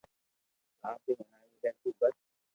آپ ھي ھڻاو لي تو بس